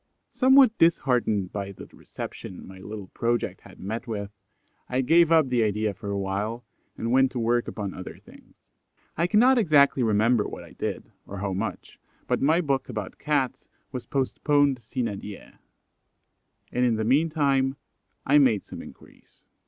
'" Somewhat disheartened by the reception my little project had met with, I gave up the idea for awhile, and went to work upon other things. I cannot exactly remember what I did, or how much, but my book about Cats was postponed sine die, and in the meantime I made some inquiries.